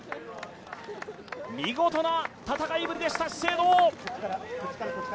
見事な戦いぶりでした資生堂。